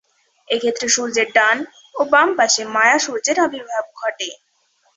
এক্ষেত্রে সূর্যের ডান ও বাম পাশে মায়া সূর্যের আবির্ভাব ঘটে।